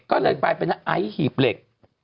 ก็เลยไปเป็นไอฮีบเหล็ก